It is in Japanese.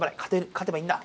勝てばいいんだ。